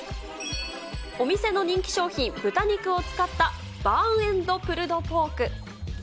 お店の人気商品、豚肉を使ったバーンエンドプルドポーク。